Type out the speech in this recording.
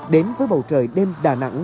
đến với bầu trời đêm đà nẵng